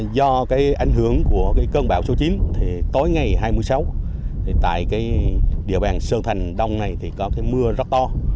do ảnh hưởng của cơn bão số chín tối ngày hai mươi sáu tại địa bàn sơn thành đông có mưa rất to